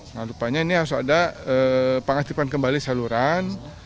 nah rupanya ini harus ada pengaktifan kembali saluran